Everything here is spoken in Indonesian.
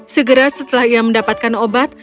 segera setelah ia mendapatkan obat